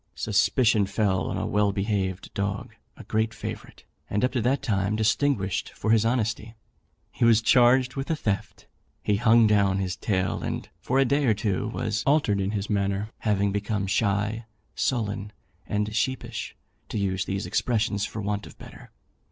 Suspicion fell on a well behaved dog a great favourite, and up to that time distinguished for his honesty. He was charged with the theft; he hung down his tail, and for a day or two was altered in his manner, having become shy, sullen, and sheepish, to use these expressions for want of better.